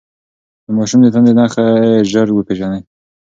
د ماشوم د تنده نښې ژر وپېژنئ.